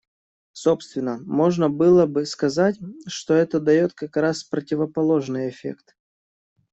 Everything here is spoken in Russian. Собственно, можно было бы сказать, что это дает как раз противоположный эффект.